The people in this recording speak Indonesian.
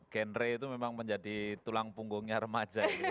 genre itu memang menjadi tulang punggungnya remaja ini